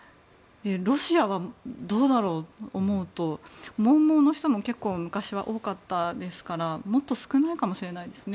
ロシアはどうだろうと思うと文盲の人も結構昔は多かったのでもっと少ないかもしれないです。